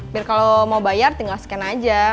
biar kalau mau bayar tinggal scan aja